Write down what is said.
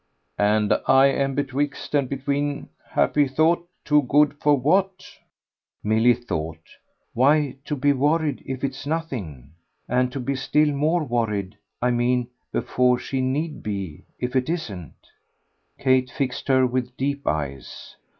"And I'm betwixt and between, happy thought! Too good for what?" Milly thought. "Why to be worried if it's nothing. And to be still more worried I mean before she need be if it isn't." Kate fixed her with deep eyes.